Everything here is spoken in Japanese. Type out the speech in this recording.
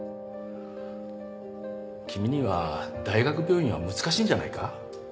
君には大学病院は難しいんじゃないか？